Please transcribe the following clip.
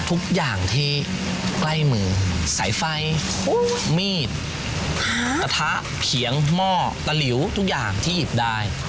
ทุกอย่างที่ใกล้มือสายไฟมีดกระทะเขียงหม้อตะหลิวทุกอย่างที่หยิบได้